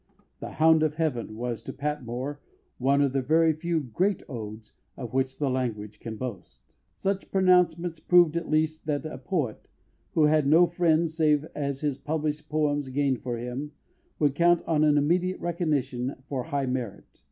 The Hound of Heaven was to Patmore "one of the very few great odes of which the language can boast." Such pronouncements proved at least that a poet, who had no friend save such as his published poems gained for him, could count on an immediate recognition for high merit.